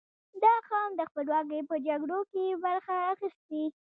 • دا قوم د خپلواکۍ په جګړو کې برخه اخیستې.